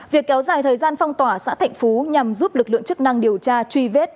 việc kéo dài thời gian phong tỏa xã thạnh phú nhằm giúp lực lượng chức năng điều tra truy vết